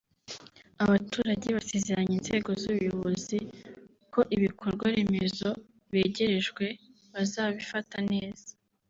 Abaturage basezeranya inzego z’ubuyobozi ko ibikorwa remezo begerejwe bazabifata neza